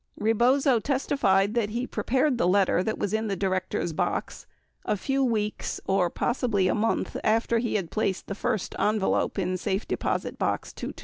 53 Rebozo testified that he prepared the letter that was in the director's box a few weeks or possibly a month after he had placed the first envelope in safe deposit box 224.